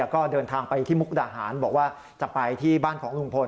ก็เดินทางไปที่มุกดาหารบอกว่าจะไปที่บ้านของลุงพล